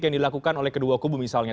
yang dilakukan oleh kedua kubu misalnya